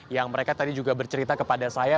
yang mereka tadi juga bercerita kepada saya